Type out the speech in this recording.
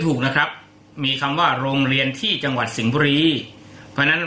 ถูกนะครับมีคำว่าโรงเรียนที่จังหวัดสิงห์บุรีเพราะฉะนั้น